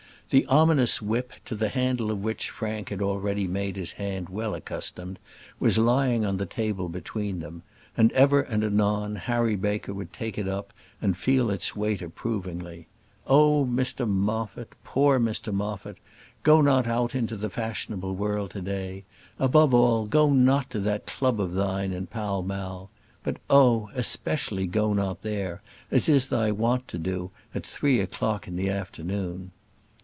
The ominous whip, to the handle of which Frank had already made his hand well accustomed, was lying on the table between them; and ever and anon Harry Baker would take it up and feel its weight approvingly. Oh, Mr Moffat! poor Mr Moffat! go not out into the fashionable world to day; above all, go not to that club of thine in Pall Mall; but, oh! especially go not there, as is thy wont to do, at three o'clock in the afternoon!